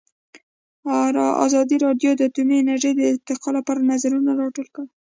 ازادي راډیو د اټومي انرژي د ارتقا لپاره نظرونه راټول کړي.